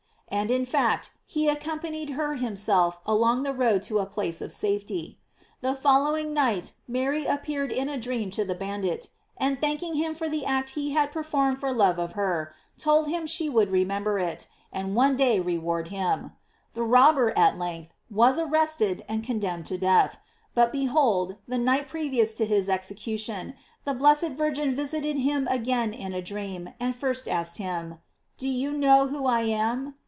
And, in fact, he ac companied her himself along the road to a place of safety. The following night Mary appeared in a dream to the bandit, and thanking him for the act she had performed for love of her, told him she would remember it, and would one day * In Vita et ap. Bov. to. 4, Ex. 36. GLORIES OF MARY. 723 reward him. The robber, at length, was arrest ed, and condemned to death; but behold, the night previous to his execution, the blessed Vir gin visited him again in a dream, and first asked him: "Do you know who I am?"